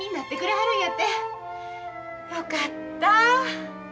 よかった。